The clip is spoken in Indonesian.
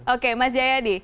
oke mas jayadi